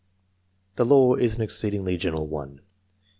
The law is an exceedingly general one.